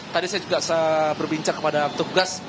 tadi saya juga berbincang kepada petugas